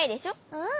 うん。